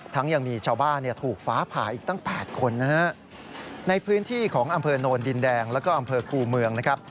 ยังมีชาวบ้านเนี่ยถูกฟ้าผ่าอีกตั้ง๘คนนะฮะในพื้นที่ของอำเภอโนนดินแดงแล้วก็อำเภอคูเมืองนะครับ